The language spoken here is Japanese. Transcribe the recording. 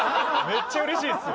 めっちゃうれしいっす。